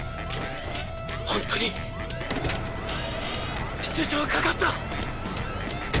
ホントに出場かかった！！